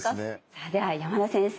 さあでは山田先生